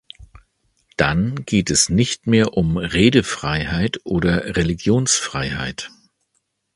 Dann geht es nicht mehr um Redefreiheit oder Religionsfreiheit.